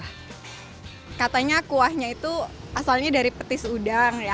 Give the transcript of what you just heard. nah katanya kuahnya itu asalnya dari petis udang ya